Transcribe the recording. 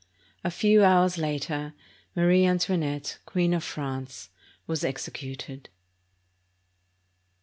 A few hours later, Marie Antoinette, Queen of France, was executed.